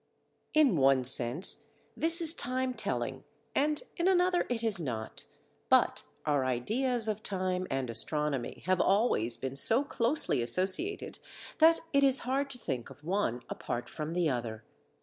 In one sense, this is time telling and in another it is not, but our ideas of time and astronomy have always been so closely associated that it is hard to think of one apart from the other.